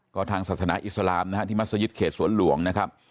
ก็ทางศาสนาอิสลามนะฮะที่มัศยิตเขตสวนหลวงนะครับ